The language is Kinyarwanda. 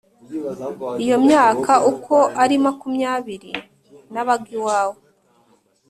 Iyo myaka uko ari makumyabiri nabaga iwawe